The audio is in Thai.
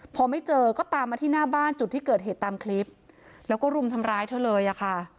พอไม่เจอก็ตามมาที่หน้าบ้านจุดที่เกิดเหตุตามคลิปแล้วก็รุมทำร้ายเธอเลยอะค่ะ